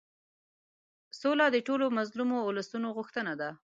سوله د ټولو مظلومو اولسونو غوښتنه ده.